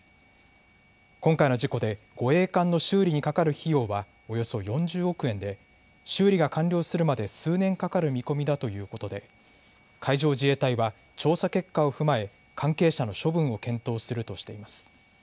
今回の事故で護衛艦の修理にかかる費用はおよそ４０億円で修理が完了するまで数年かかる見込みだということで海上自衛隊は調査結果を踏まえ関係者の処分を検討するとしています。